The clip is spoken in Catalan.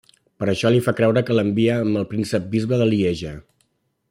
Per això li fa creure que l'envia amb el príncep-bisbe de Lieja.